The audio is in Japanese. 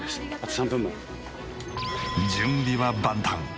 準備は万端。